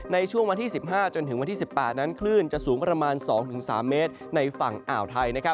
ในช่วงวันที่๑๕จนถึงวันที่๑๘นั้นคลื่นจะสูงประมาณ๒๓เมตรในฝั่งอ่าวไทย